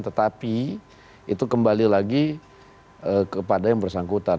tetapi itu kembali lagi kepada yang bersangkutan